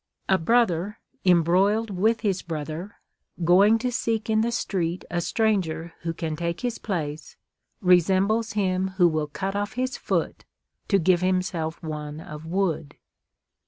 A brother, embroiled witli his brother, going to seek in the street a stranger who can take his place, resembles him who will cut ofif his foot to give himself one of wood."